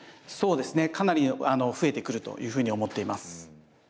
そうですねかなり増えてくるというふうに思っています。